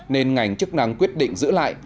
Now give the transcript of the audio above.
nên ngành chức năng quyết định giữ lại